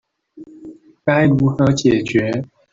該如何解決